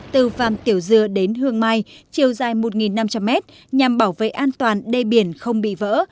từ vàm tiểu dư đến hương mai chiều dài một năm trăm linh mét nhằm bảo vệ an toàn đê biển không bị vỡ